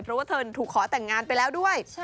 เพราะว่าเธอถูกขอแต่งงานไปแล้วด้วย